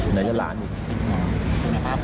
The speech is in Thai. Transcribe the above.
หน่อยจะ๑ล้านอีก